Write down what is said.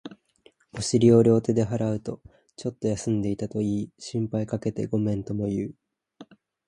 お尻を両手で払うと、ちょっと休んでいたと言い、心配かけてごめんとも言う